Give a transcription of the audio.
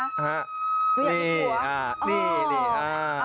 ฮะนี่หนูอยากมีผัวอ๋อนี่อ่า